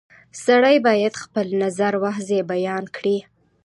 • سړی باید خپل نظر واضح بیان کړي.